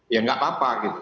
ya nggak apa apa gitu